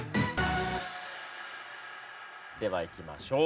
ではいきましょう。